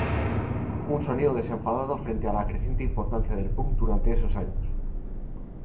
Un sonido desenfadado frente a la creciente importancia del punk durante esos años.